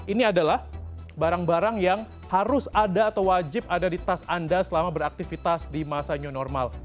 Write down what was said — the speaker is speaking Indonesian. ini adalah barang barang yang harus ada atau wajib ada di tas anda selama beraktivitas di masa new normal